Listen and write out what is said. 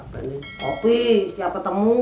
kopi siapa temu